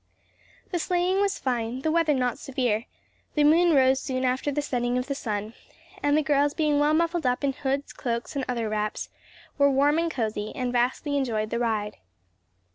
The sleighing was fine, the weather not severe; the moon rose soon after the setting of the sun, and the girls being well muffled up in hoods, cloaks and other wraps, were warm and cosy, and vastly enjoyed the ride.